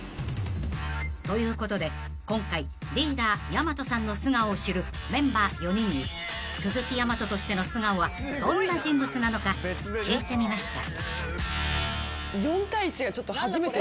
ということで今回リーダーやまとさんの素顔を知るメンバー４人に鈴木大飛としての素顔はどんな人物なのか聞いてみました］